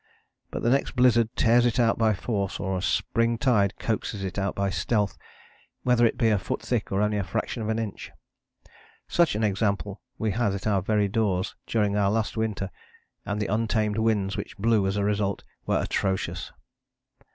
But the next blizzard tears it out by force or a spring tide coaxes it out by stealth, whether it be a foot thick or only a fraction of an inch. Such an example we had at our very doors during our last winter, and the untamed winds which blew as a result were atrocious.